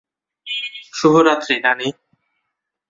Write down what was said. শুভরাত্রি, নানী।